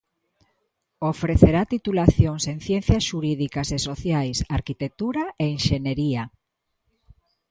Ofrecerá titulacións en ciencias xurídicas e sociais, arquitectura e enxeñería.